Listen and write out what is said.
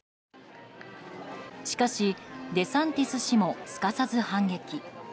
しかし、デサンティス氏もすかさず反撃。